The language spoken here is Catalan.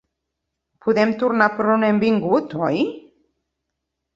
Podem tornar per on hem vingut, oi?